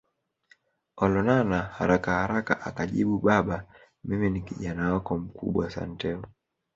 Olonana harakaharaka akajibu Baba mimi ni Kijana wako mkubwa Santeu